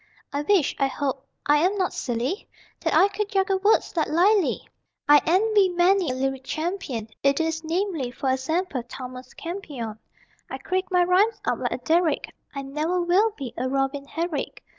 I wish (I hope I am not silly?) That I could juggle words like Lyly. I envy many a lyric champion, I. e., viz., e. g., Thomas Campion. I creak my rhymes up like a derrick, I ne'er will be a Robin Herrick.